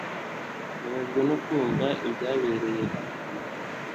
Mbabajwe no kumva ibyabereye hano